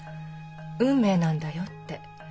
「運命なんだよ」って。